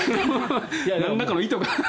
なんらかの意図が。